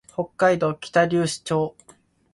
北海道北竜町